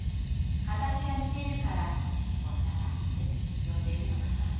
かたちがにているからおさらってよんでいるのかな。